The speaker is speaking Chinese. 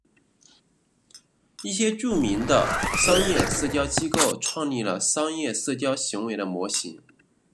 一些著名的商业社交机构创立了商业社交行为的模型。